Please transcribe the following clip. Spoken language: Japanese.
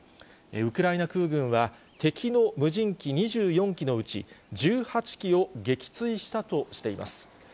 ウクライナ空軍は敵の無人機２４機のうち、１８機を撃墜したとしています。